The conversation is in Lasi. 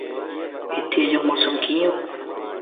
ھتي جو موسم ڪيئن ھو؟